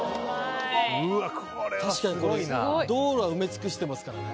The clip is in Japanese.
確かにこれ道路は埋め尽くしてますからね。